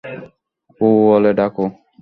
বুবু বলে ডাকো।